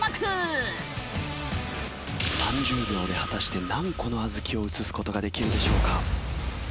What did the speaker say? ３０秒で果たして何個の小豆を移す事ができるでしょうか。